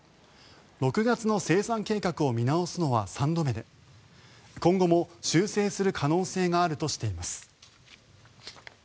６月の生産計画を見直すのは３度目で今後も修正する可能性があるとしています。